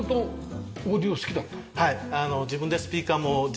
はい。